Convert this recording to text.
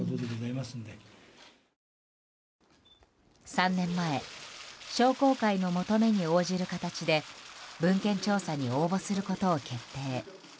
３年前商工会の求めに応じる形で文献調査に応募することを決定。